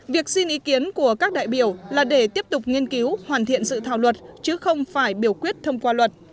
việc xin ý kiến của các đại biểu là để tiếp tục nghiên cứu hoàn thiện dự thảo luật chứ không phải biểu quyết thông qua luật